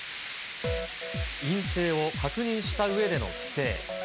陰性を確認したうえでの帰省。